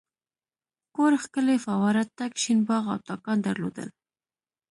کور ښکلې فواره تک شین باغ او تاکان درلودل.